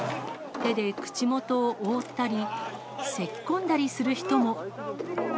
手で口元を覆ったり、せき込んだりする人も。